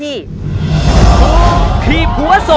มีใจได้ขอกับเบอร์